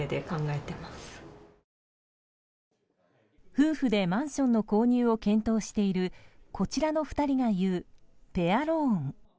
夫婦でマンションの購入を検討しているこちらの２人が言うペアローン。